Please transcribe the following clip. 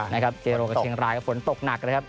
เทโรกับเชียงรายฝนตกหนัก